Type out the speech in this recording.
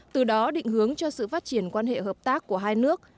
từ đó định hướng cho sự phát triển quan hệ hợp tác của hai nước